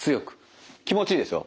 気持ちいいですよ